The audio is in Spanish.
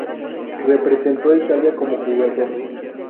Representó a Italia como jugador.